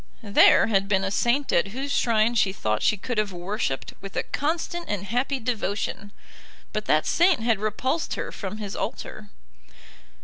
There had been a saint at whose shrine she thought she could have worshipped with a constant and happy devotion, but that saint had repulsed her from his altar.